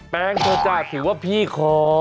แป้งเธอจ้ะถือว่าพี่ขอ